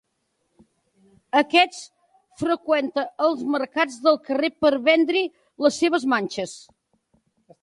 Aquest freqüenta els mercats de carrer per vendre-hi les seves manxes.